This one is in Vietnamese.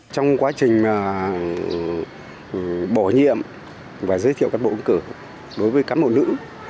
trong quá trình bỏ nhiệm và giới thiệu cán bộ ứng cửa đối với cán bộ nữ